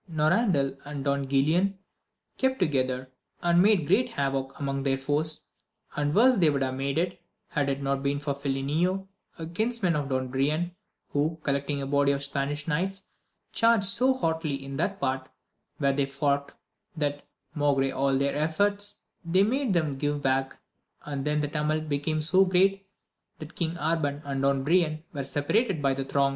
Norandel and Don Guilan kept together, and made great havock among their foes, and worse they would have made it, had it not been for Fileno, a kinsman of Don Brian, who, collecting a body of Spanish knights, charged so hotly in that part where they fought, that, maugre all their efforts, they made them give back, and then the tumult became so great, that King Arban and Don Brian were separated by the throng.